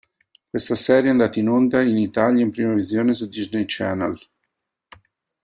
Questa serie è andata in onda in Italia in prima visione su Disney Channel.